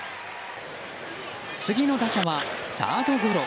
次の打者はサードゴロ。